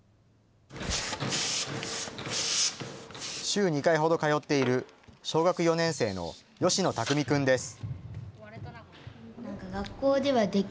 週２回ほど通っている小学４年生の吉野巧君です。